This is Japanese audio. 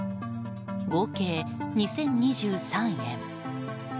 合計２０２３円。